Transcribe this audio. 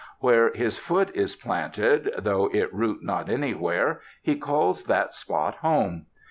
Where his foot is planted (though it root not anywhere), he calls that spot home.